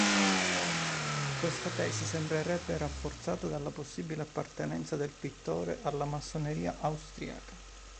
Questa tesi sembrerebbe rafforzata dalla possibile appartenenza del pittore alla massoneria austriaca.